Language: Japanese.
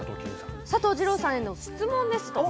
佐藤二朗さんへの質問です。